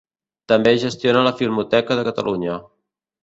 També gestiona la Filmoteca de Catalunya.